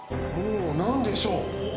もう何でしょう。